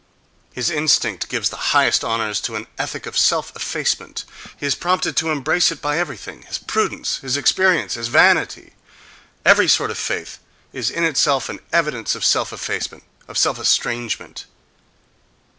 His instinct gives the highest honours to an ethic of self effacement; he is prompted to embrace it by everything: his prudence, his experience, his vanity. Every sort of faith is in itself an evidence of self effacement, of self estrangement....